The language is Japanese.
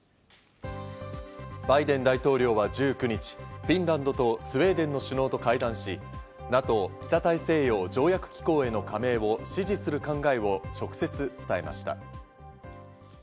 バイデン大統領は１９日、フィンランドとスウェーデンの首脳と会談し、ＮＡＴＯ＝北大西洋条約機構への加盟を支持する考えを直接伝えました。